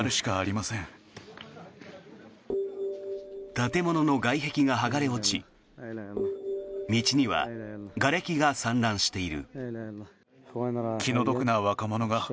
建物の外壁が剥がれ落ち道にはがれきが散乱している。